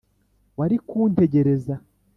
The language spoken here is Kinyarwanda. wari kuntegereza.